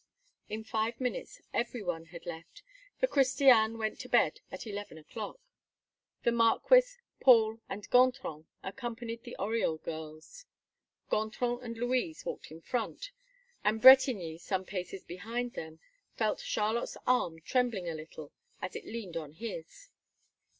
In five minutes, everyone had left, for Christiane went to bed at eleven o'clock. The Marquis, Paul, and Gontran accompanied the Oriol girls. Gontran and Louise walked in front, and Bretigny, some paces behind them, felt Charlotte's arm trembling a little as it leaned on his.